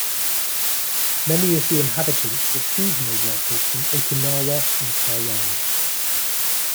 Many of the inhabitants were seasonal workers from Okinawa and Taiwan.